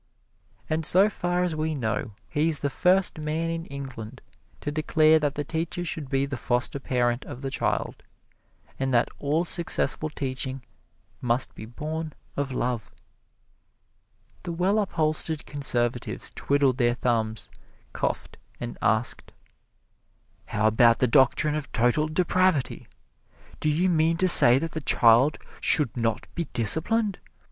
And so far as we know, he is the first man in England to declare that the teacher should be the foster parent of the child, and that all successful teaching must be born of love. The well upholstered conservatives twiddled their thumbs, coughed, and asked: "How about the doctrine of total depravity? Do you mean to say that the child should not be disciplined?